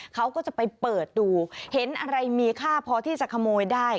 เขาก็จะไปเปิดดูเห็นอะไรมีค่าพอที่จะขโมยได้